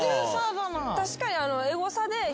確かに。